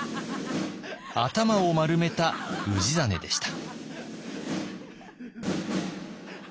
頭を丸めた氏真でした。